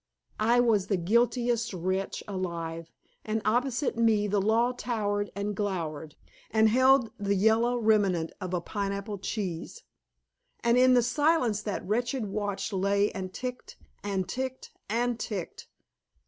I was the guiltiest wretch alive, and opposite me the law towered and glowered, and held the yellow remnant of a pineapple cheese! And in the silence that wretched watch lay and ticked and ticked and ticked.